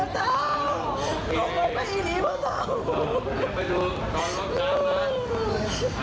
แม่ขอโทษนะเจ้าแม่ขอโทษทั้งใจนะ